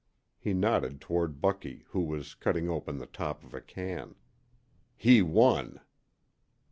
He nodded toward Bucky, who was cutting open the top of a can. "He won!"